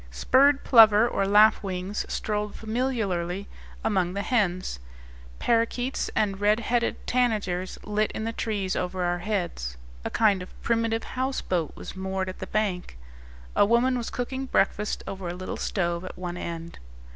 Spurred plover, or lapwings, strolled familiarly among the hens. Parakeets and red headed tanagers lit in the trees over our heads. A kind of primitive houseboat was moored at the bank. A woman was cooking breakfast over a little stove at one end.